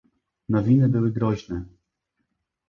"Nowiny były groźne."